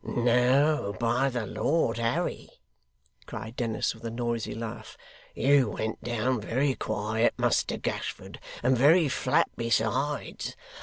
'No, by the Lord Harry!' cried Dennis with a noisy laugh, 'you went down very quiet, Muster Gashford and very flat besides.